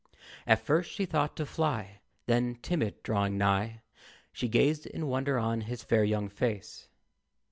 At first she thought to fly, Then, timid, drawing nigh, She gazed in wonder on his fair young face.